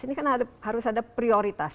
ini kan harus ada prioritas